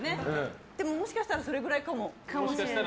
でも、もしかしたらそれぐらいかも。